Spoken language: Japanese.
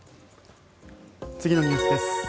次のニュースです。